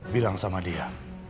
bilang sama dia